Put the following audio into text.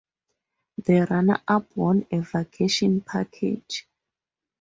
The runner up won a vacation package.